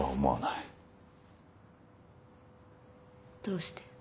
どうして？